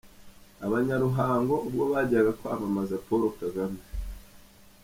Abanya Ruhango ubwo bajyaga kwamamaza Paul Kagame.